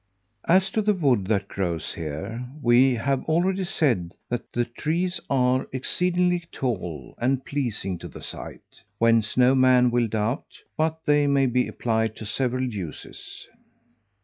As to the wood that grows here, we have already said that the trees are exceeding tall, and pleasing to the sight; whence no man will doubt, but they may be applied to several uses.